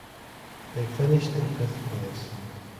They finished in fifth place.